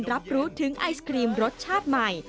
รับรู้ถึงไอศครีมรสชาติใหม่